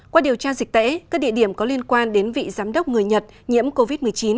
qua điều tra dịch tễ các địa điểm có liên quan đến vị giám đốc người nhật nhiễm covid một mươi chín